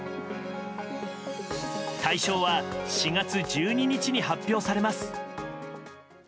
大賞は４月１２日に発表されます。